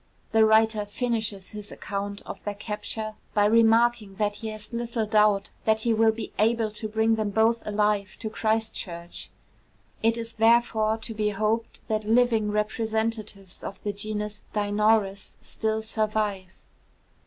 The writer finishes his account of their capture by remarking that he has little doubt that he will be able to bring them both alive to Christchurch. It is therefore to be hoped that living representatives of the genus Dinornis still survive.